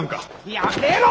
やめろ！